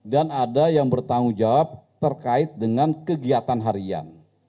dan ada yang bertanggung jawab terkait dengan kegiatan harian